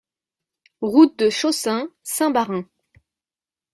Route de Chaussin, Saint-Baraing